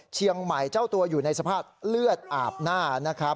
เจ้าตัวอยู่ในสภาพเลือดอาบหน้านะครับ